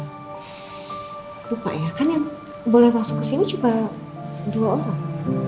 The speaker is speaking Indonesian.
lupa ya kan yang boleh masuk ke sini cuma dua orang